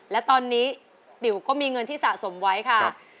และตอนนี้ติ๋วก็มีเงินที่สะสมไว้ค่ะ